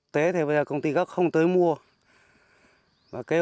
tới thì bây giờ công ty gốc không tới mua